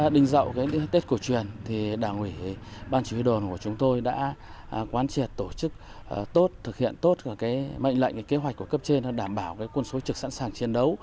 dạo tết cổ truyền đảng ủy ban chủ yếu đồn của chúng tôi đã quan triệt tổ chức tốt thực hiện tốt mệnh lệnh kế hoạch của cấp trên để đảm bảo quân số trực sẵn sàng chiến đấu